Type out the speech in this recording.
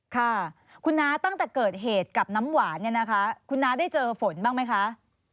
ค่ะคุณน้าตั้งแต่เกิดเหตุกับน้ำหวานเนี่ยนะคะคุณน้าได้เจอฝนบ้างไหมคะ